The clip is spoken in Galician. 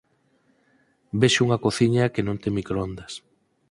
Vexo unha cociña que non ten microondas.